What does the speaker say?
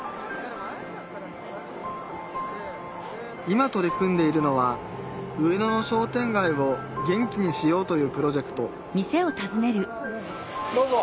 今取り組んでいるのは上野の商店街を元気にしようというプロジェクトどうぞ。